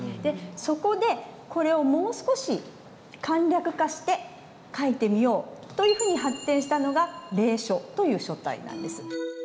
そこでこれをもう少し簡略化して書いてみようというふうに発展したのが隷書という書体なんです。